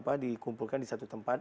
apa dikumpulkan di satu tempat